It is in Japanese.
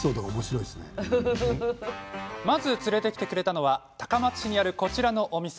まず連れてきてくれたのは高松市にある、こちらのお店。